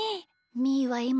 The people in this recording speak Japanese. みーはいま